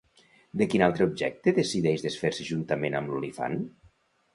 De quin altre objecte decideix desfer-se juntament amb l'olifant?